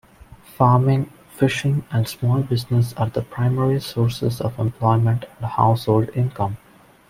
Farming, fishing, and small business are the primary sources of employment and household income.